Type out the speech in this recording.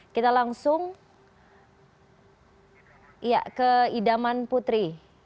kita langsung ke idaman putri